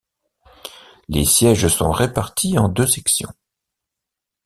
Les sièges sont répartis en deux sections.